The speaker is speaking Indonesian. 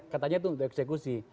katanya itu untuk eksekusi